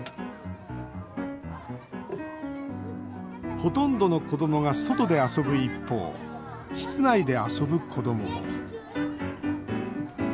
ほとんどの子どもが外で遊ぶ一方室内で遊ぶ子どもも。